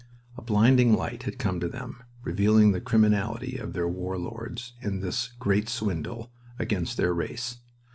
A blinding light had come to them, revealing the criminality of their war lords in this "Great Swindle" against their race.